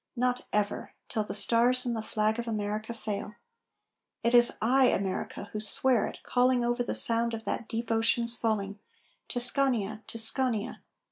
Not ever, till the stars in the flag of America fail. It is I, America, who swear it, calling Over the sound of that deep ocean's falling, _Tuscania! Tuscania!